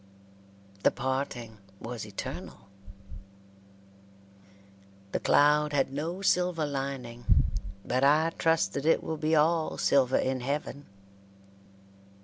The parting was eternal. The cloud had no silver lining, but I trust that it will be all silver in heaven.